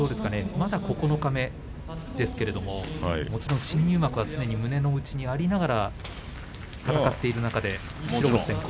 まだ九日目ですけれどももちろん新入幕は常に胸の内にありながら戦っている中で白星先行。